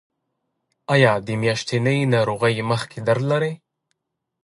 ایا د میاشتنۍ ناروغۍ مخکې درد لرئ؟